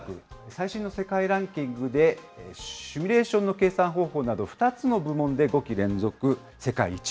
最新の世界ランキングでシミュレーションの計算方法など２つの部門で５期連続世界一。